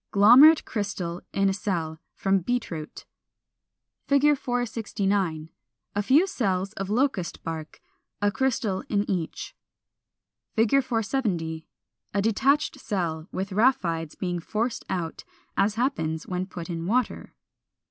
Glomerate crystal in a cell, from Beet root. 469. A few cells of Locust bark, a crystal in each. 470. A detached cell, with rhaphides being forced out, as happens when put in water.